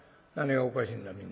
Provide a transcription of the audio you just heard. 何がおかしいんだ？